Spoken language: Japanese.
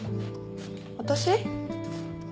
私？